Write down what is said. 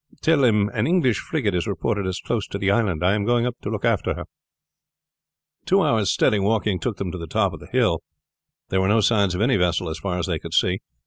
Tell him an English frigate is reported as close to the island. I am going up to look after her." Two hours' steady walking took them to the top of the hill. There were no signs of any vessel as far as they could see.